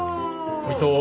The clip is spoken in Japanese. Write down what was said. おいしそう。